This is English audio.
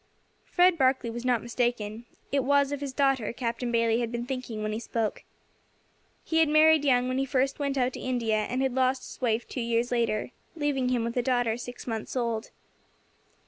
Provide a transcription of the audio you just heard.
Fred Barkley was not mistaken, it was of his daughter Captain Bayley had been thinking when he spoke. He had married young when he first went out to India, and had lost his wife two years later, leaving him with a daughter six months old.